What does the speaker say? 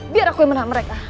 biar aku yang menang mereka